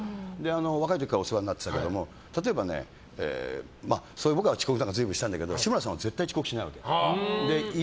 若い時からお世話になってたけど例えば、僕は遅刻とか随分したんだけど志村さんは絶対遅刻しないわけ。